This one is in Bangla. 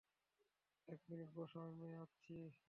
এক মিনিট বসো, আমি আসছি।